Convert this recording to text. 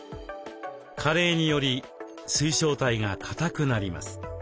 加齢により水晶体がかたくなります。